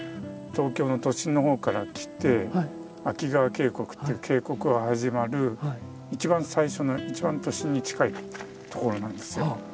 東京の都心のほうから来て秋川渓谷っていう渓谷が始まる一番最初の一番都心に近い所なんですよ。